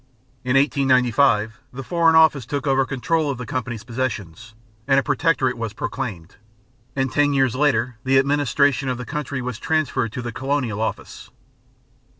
In 1895 the Foreign Office took over control of the Company's possessions, and a Protectorate was proclaimed; and ten years later the administration of the country was transferred to the Colonial Office.